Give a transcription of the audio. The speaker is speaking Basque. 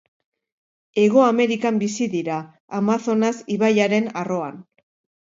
Hego Amerikan bizi dira, Amazonas ibaiaren arroan.